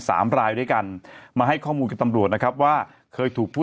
สามรายด้วยกันมาให้ข้อมูลกับตำรวจนะครับว่าเคยถูกผู้